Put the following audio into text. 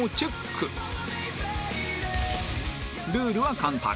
ルールは簡単